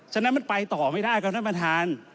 ฉะนั้นมันไปต่อไม่ได้ครับท่านประธาน